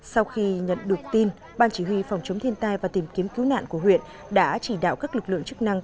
sau khi nhận được tin ban chỉ huy phòng chống thiên tai và tìm kiếm cứu nạn của huyện đã chỉ đạo các lực lượng chức năng